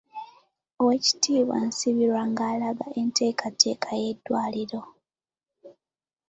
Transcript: Owekitiibwa Nsibirwa ng'alaga enteekateeka y'eddwaliro.